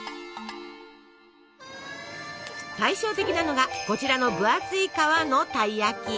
対照的なのがこちらの分厚い皮のたい焼き。